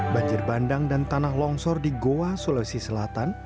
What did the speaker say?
banjir bandang dan tanah longsor di goa sulawesi selatan